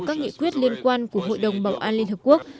các nghị quyết liên quan của hội đồng bảo an liên hợp quốc